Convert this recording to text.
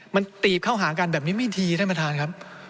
มันตีบเข้าหากันแบบนี้ไม่ดีท่านประธานครับ